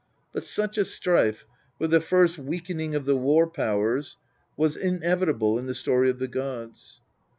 But such a strife, with the first weakening of the war powers, was inevitable in the story of the gods.